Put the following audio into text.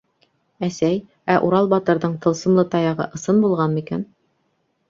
Әсәй, ә Урал батырҙың тылсымлы таяғы ысын булған микән?